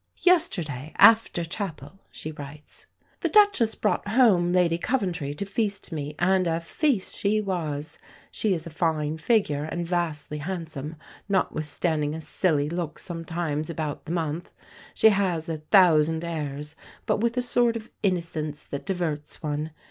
"Yesterday after chapel," she writes, "the Duchess brought home Lady Coventry to feast me and a feast she was! She is a fine figure and vastly handsome, notwithstanding a silly look sometimes about the month; she has a thousand airs, but with a sort of innocence that diverts one!